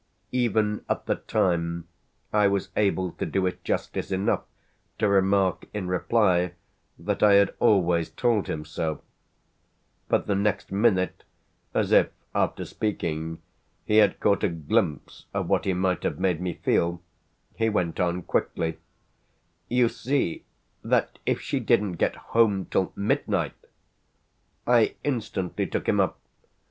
Even at the time I was able to do it justice enough to remark in reply that I had always told him so; but the next minute, as if after speaking he had caught a glimpse of what he might have made me feel, he went on quickly: "You see that if she didn't get home till midnight " I instantly took him up.